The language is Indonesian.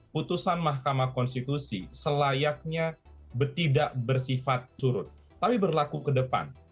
putusan mahkamah konstitusi selayaknya tidak bersifat curut tapi berlaku ke depan